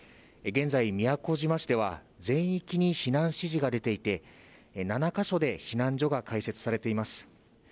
現在、宮古島市では全域に避難指示が出ていて７か所で避難所が開設されています